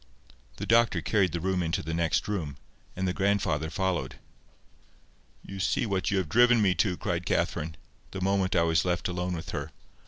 The doctor carried the child into the next room, and the grandfather followed. "You see what you have driven me to!" cried Catherine, the moment I was left alone with her.